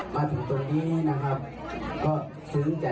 มาถึงตรงนี้นะครับซึ้งใจมากหน่ะครับพี่แมวทัดเลยอ่า